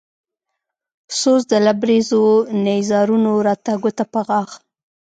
سوز د لبرېزو نيزارونو راته ګوته په غاښ